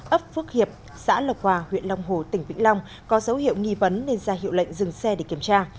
ấp phước hiệp xã lộc hòa huyện long hồ tỉnh vĩnh long có dấu hiệu nghi vấn nên ra hiệu lệnh dừng xe để kiểm tra